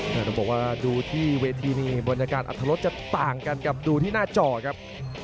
ต้องบอกว่าดูที่เวทีนี้บรรยากาศอัธรสจะต่างกันกับดูที่หน้าจอครับ